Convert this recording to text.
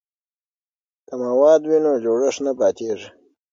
که مواد وي نو جوړښت نه پاتیږي.